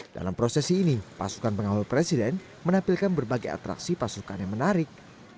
dalam prosesi ini pasukan pengawal presiden menampilkan berbagai atraksi pasukan yang menarik